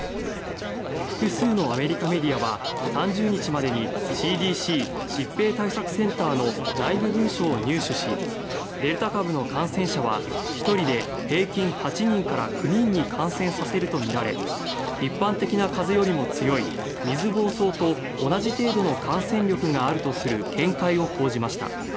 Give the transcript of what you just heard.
複数のアメリカメディアは３０日までにＣＤＣ・疾病対策センターの内部文書を入手しデルタ株の感染者は１人で平均８人から９人に感染させるとみられ一般的な風邪よりも強い水ぼうそうと同じ程度の感染力があるとする見解を報じました。